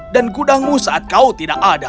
dan gudangmu saat kau tidak ada